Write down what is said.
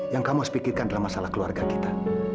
yang kamu harus pikirkan adalah masalah keluarga kita